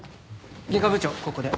外科部長ここで。